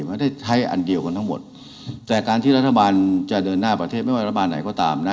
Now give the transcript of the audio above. ไม่ได้ใช้อันเดียวกันทั้งหมดแต่การที่รัฐบาลจะเดินหน้าประเทศไม่ว่ารัฐบาลไหนก็ตามนะ